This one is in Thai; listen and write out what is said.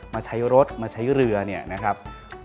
มาใช้รถมาใช้เรือเนี่ยนะครับ